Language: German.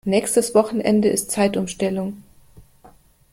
Nächstes Wochenende ist Zeitumstellung.